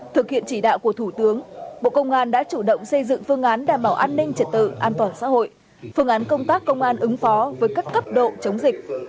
thực hiện chỉ đạo của thủ tướng bộ công an đã chủ động xây dựng phương án đảm bảo an ninh trật tự an toàn xã hội phương án công tác công an ứng phó với các cấp độ chống dịch